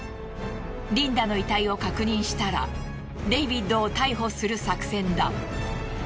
リンダの遺体を確認したらデイビッドを逮捕する作戦だ。